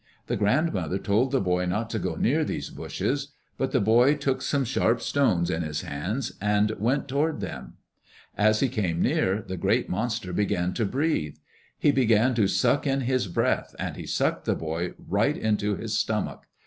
The grand mother told the boy not to go near these bushes. But the boy took some sharp stones in his hands, and went toward them. As he came near, the great monster began to breathe. He began to suck in his breath and he sucked the boy right into his stomach.